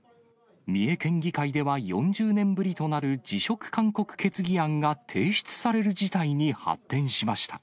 三重県議会では４０年ぶりとなる辞職勧告決議案が提出される事態に発展しました。